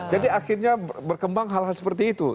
jadi akhirnya berkembang hal hal seperti itu